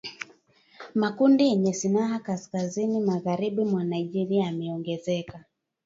Makundi yenye silaha kaskazini magharibi mwa Nigeria yameongezeka